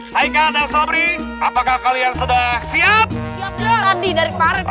hai kakak sabri apakah kalian sudah siap siap dari